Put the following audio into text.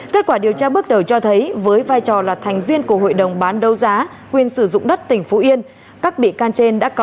kết quả điều tra bước đầu cho thấy với vai trò là thành viên của hội đồng bán đấu giá quyền sử dụng đất tỉnh phú yên